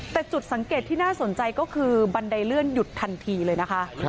แต่จุดสังเกตที่น่าสนใจก็คือบันไดเลื่อนหยุดทันทีเลยนะคะ